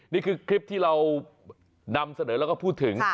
นี่คือคลิปที่เรานำเสนอแล้วก็พูดถึง